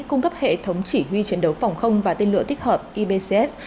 cung cấp hệ thống chỉ huy chiến đấu phòng không và tên lửa tích hợp ibcs